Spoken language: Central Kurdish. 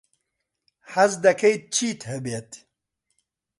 حەز دەکەیت چیت هەبێت؟